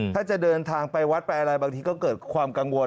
ถ้าจะเดินทางไปวัดไปอะไรบางทีก็เกิดความกังวล